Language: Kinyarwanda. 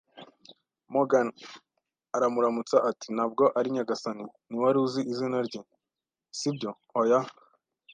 Morgan aramuramutsa ati: "Ntabwo ari nyagasani." “Ntiwari uzi izina rye, si byo?”“Oya,